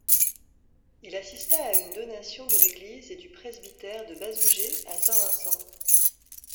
Il assista à une donation de l'église et du presbytère de Bazougers à Saint-Vincent.